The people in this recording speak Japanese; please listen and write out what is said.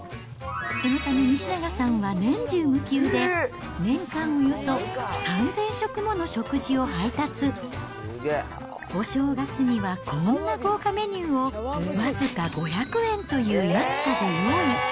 そのため、西永さんは年中無休で、年間およそ３０００食もの食事を配達。お正月にはこんな豪華メニューを、僅か５００円という安さで用意。